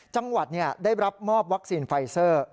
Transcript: จังหวัดนี้ได้รับมอบไวร์ไซเซอร์